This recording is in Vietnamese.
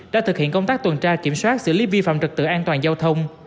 đã thực hiện công tác tuần tra kiểm soát xử lý vi phạm trật tự an toàn giao thông